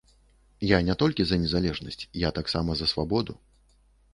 Я не толькі за незалежнасць, я таксама за свабоду.